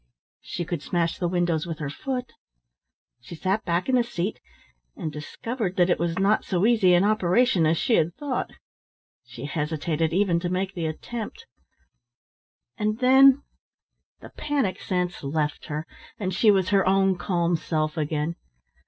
She could smash the windows with her foot. She sat back in the seat, and discovered that it was not so easy an operation as she had thought. She hesitated even to make the attempt; and then the panic sense left her, and she was her own calm self again.